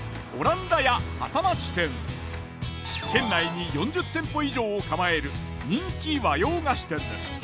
県内に４０店舗以上を構える人気和洋菓子店です。